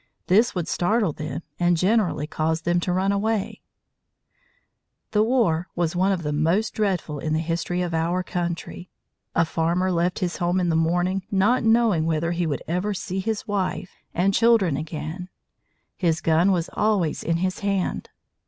This would startle them and generally cause them to run away. [Illustration: HOUSE PROTECTED BY PALISADES] The war was one of the most dreadful in the history of our country. A farmer left his home in the morning not knowing whether he would ever see his wife and children again. His gun was always in his hand.